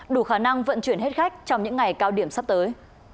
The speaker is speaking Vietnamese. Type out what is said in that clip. đủ khả năng vận chuyển hết khách trong những ngày cao điểm sắp tới